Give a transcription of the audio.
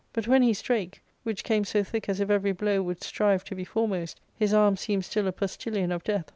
But, when he strake — which came so thick as if every blow would strive to be foremost — his arm seemed still a postillion of death.